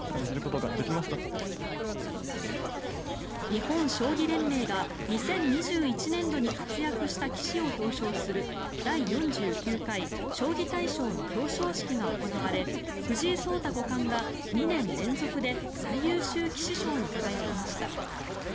日本将棋連盟が２０２１年度に活躍した棋士を表彰する第４９回将棋大賞の表彰式が行われ藤井聡太五冠が２年連続で最優秀棋士賞に輝きました。